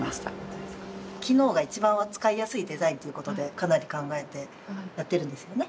機能が一番使いやすいデザインということでかなり考えてやってるんですよね。